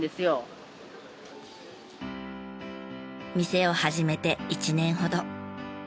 店を始めて１年ほど。